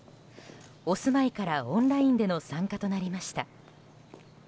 お住まいからオンラインでの参加となりました。